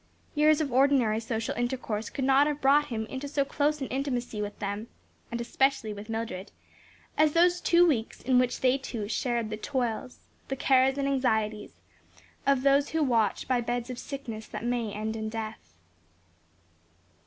Years of ordinary social intercourse could not have brought him into so close an intimacy with them, and especially with Mildred, as those two weeks in which they two shared the toils, the cares and anxieties of those who watch by beds of sickness that may end in death.